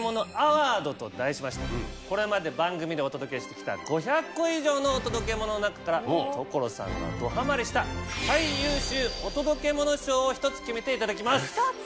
と題しましてこれまで番組でお届けしてきた５００個以上のお届けモノの中から所さんがどハマりした最優秀お届けモノ賞を１つ決めていただきます。